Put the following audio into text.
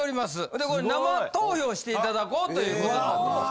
でこれ生投票して頂こうということになってます。